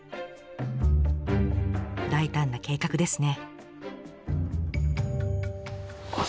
大胆な計画ですね。